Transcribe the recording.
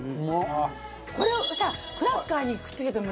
これをさクラッカーにくっつけてもいいしさ。